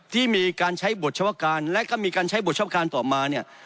ที่มีการใช้บทชาวขาลและก็มีการใช้บทชาวขาลต่อมา